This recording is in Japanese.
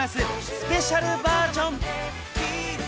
スペシャルバージョン！